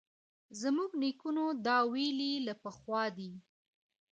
زموږ نیکونو دا ویلي له پخوا دي